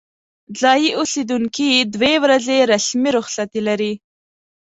ځايي اوسیدونکي دوې ورځې رسمي رخصتي لري.